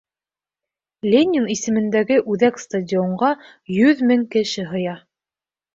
Ленин исемендәге үҙәк стадионға йөҙ мең кеше һыя